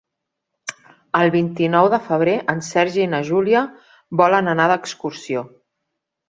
El vint-i-nou de febrer en Sergi i na Júlia volen anar d'excursió.